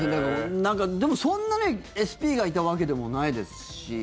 でもそんなＳＰがいたわけでもないですし。